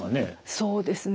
そうですね。